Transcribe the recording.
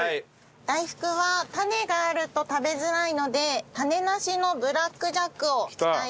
大福は種があると食べづらいので種なしのブラックジャックを使います。